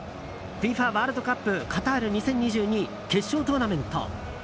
ＦＩＦＡワールドカップカタール２０２２決勝トーナメント。